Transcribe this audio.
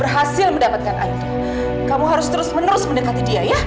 kalau kamu tinggi aku